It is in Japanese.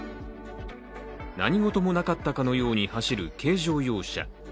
何事もなかったかのように走る軽乗用車。